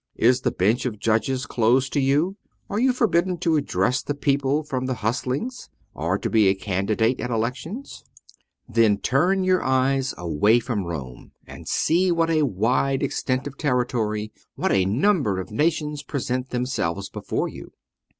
Is the bench of judges closed to you, are you forbidden to address the people from the hustings, or to be a candidate at elections ? 262 MINOR DIALOGUES. [bK. IX. then turn your eyes away from Rome, and see what a wide extent of territory, what a number of nations present themselves before you.